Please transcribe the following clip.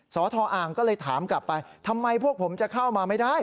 สทอ่างก็เลยถามกลับไปทำไมพวกผมจะเข้ามาไม่ได้